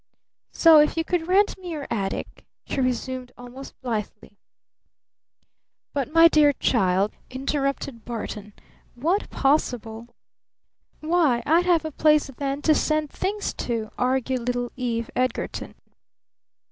"So if you could rent me your attic " she resumed almost blithely. "But my dear child," interrupted Barton, "what possible " "Why I'd have a place then to send things to," argued little Eve Edgarton.